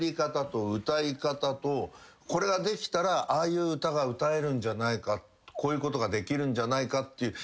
これができたらああいう歌が歌えるんじゃないかこういうことができるんじゃないかっていう。